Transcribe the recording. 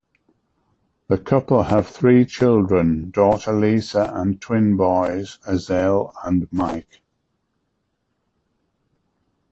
The couple have three children, daughter Lisa and twin boys, Azelle and Mike.